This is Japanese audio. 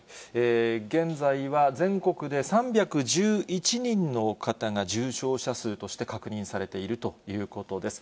現在は全国で３１１人の方が重症者数として確認されているということです。